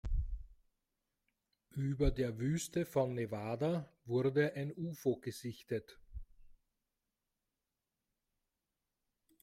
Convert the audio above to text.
Über der Wüste von Nevada wurde ein Ufo gesichtet.